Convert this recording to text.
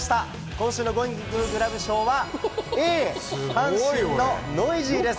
今週のゴーインググラブ賞は、Ａ、阪神のノイジーです。